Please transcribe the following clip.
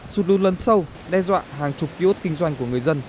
sụt lún lấn sâu đe dọa hàng chục ký ốt kinh doanh của người dân